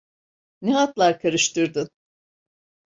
Ne haltlar karıştırdın?